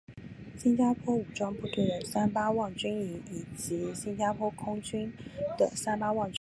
新加坡武装部队的三巴旺军营以及新加坡国空军的三巴旺空军基地也坐落与三吧旺。